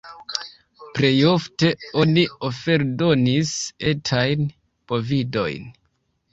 Plejofte oni oferdonis etajn bovidojn.